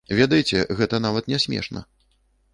Ведаеце, гэта нават не смешна.